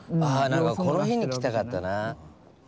ああなんかこの日に来たかったな。